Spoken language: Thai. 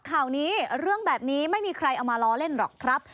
ข่าวนี้เรื่องแบบนี้ไม่มีใครเอามาล้อเล่นหรอกครับ